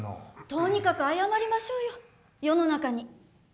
とにかく謝りましょうよ世の中に。